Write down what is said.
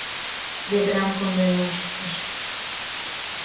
Ведрам конден ончыктыш.